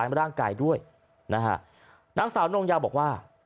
ร่างกายด้วยนะฮะนางสาวนงยาวบอกว่า